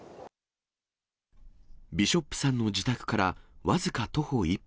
ビショップさんの自宅から僅か徒歩１分。